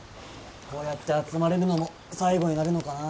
こうやって集まれるのも最後になるのかな。